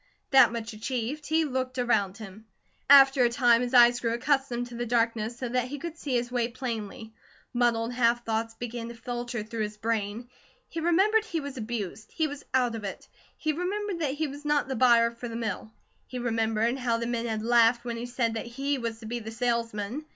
That much achieved, he looked around him. After a time his eyes grew accustomed to the darkness, so that he could see his way plainly. Muddled half thoughts began to filter through his brain. He remembered he was abused. He was out of it. He remembered that he was not the buyer for the mill. He remembered how the men had laughed when he had said that he was to be the salesman.